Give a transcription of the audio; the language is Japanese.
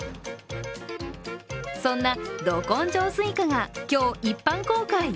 そんなど根性スイカが今日、一般公開。